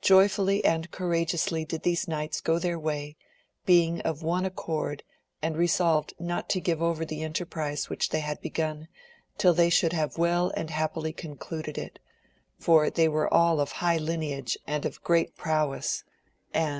Joyfully and courageously did these knights go their way, being of one accord and resolv<*d not to give over the enterprize which they had begun, till they should have well and happily concluded it, for they were all of high lineage and of great prowess, and 72 AMADIS OF GAUL.